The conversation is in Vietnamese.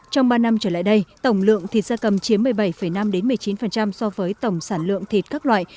trong ba năm trở lại đây tổng lượng thịt da cầm chiếm một mươi bảy năm một mươi chín so với tổng sản lượng thịt các loại